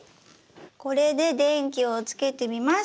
これで電気をつけてみます！